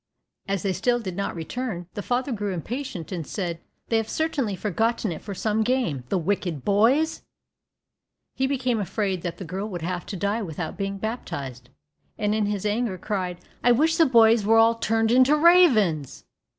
As they still did not return, the father grew impatient, and said, "They have certainly forgotten it for some game, the wicked boys!" He became afraid that the girl would have to die without being baptized, and in his anger cried, "I wish the boys were all turned into ravens."